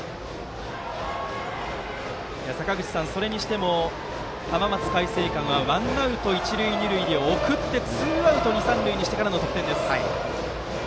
坂口さん、それにしても浜松開誠館はワンアウト一塁二塁で送ってツーアウト二、三塁にしてからの得点でした。